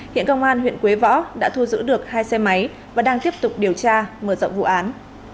hiện công an huyện quế võ đã thu giữ được hai xe máy và đang tiếp tục điều tra mở rộng vụ án